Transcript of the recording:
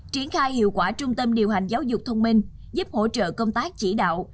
triển khai hiệu quả trung tâm điều hành giáo dục thông minh giúp hỗ trợ công tác chỉ đạo